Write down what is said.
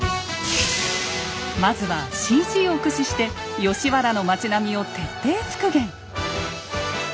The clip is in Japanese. まずはＣＧを駆使して吉原の町並みを徹底復元！